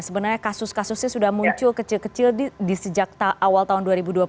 sebenarnya kasus kasusnya sudah muncul kecil kecil di sejak awal tahun dua ribu dua puluh